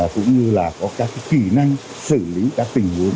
cũng như là có các kỹ năng xử lý các tình huống